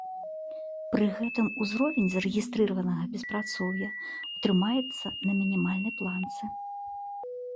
Пры гэтым узровень зарэгістраванага беспрацоўя ў трымаецца на мінімальнай планцы.